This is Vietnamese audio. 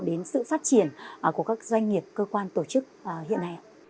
đến sự phát triển của các doanh nghiệp cơ quan tổ chức hiện nay